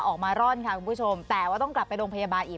ออกมาร่อนค่ะคุณผู้ชมแต่ว่าต้องกลับไปโรงพยาบาลอีก